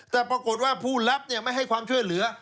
แต่ปรากฏว่าผู้รับไม่ให้ความช่วยเหลือ